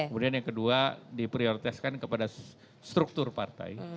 kemudian yang kedua diprioritaskan kepada struktur partai